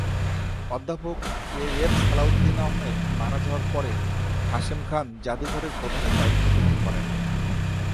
অধ্যাপক A F Salahuddin Ahmed মারা যাওয়ার পরে হাশেম খান জাদুঘরের প্রধানের দায়িত্ব গ্রহণ করেন।